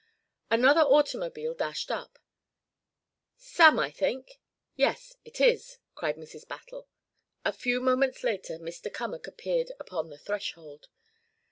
Another automobile dashed up. "Sam, I think; yes, it is," cried Mrs. Battle. A few moments later Mr. Cummack appeared upon the threshold.